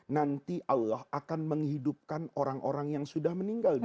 nanti allah akan menghidupkan orang orang yang sudah meninggal dunia